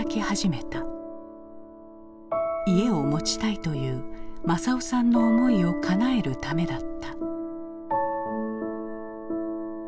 家を持ちたいという政男さんの思いをかなえるためだった。